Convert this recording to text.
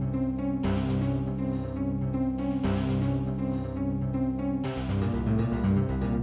kukukan masyawan kukukan penyai kukukan jalan orang